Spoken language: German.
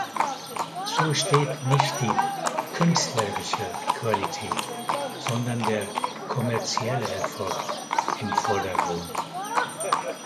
So steht nicht die künstlerische Qualität, sondern der kommerzielle Erfolg im Vordergrund.